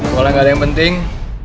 kalo gak ada yang penting